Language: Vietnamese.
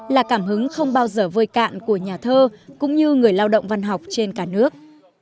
là cảm hứng không bao giờ vơi cạn của nhà thơ cũng như người lao động văn học trên cả nước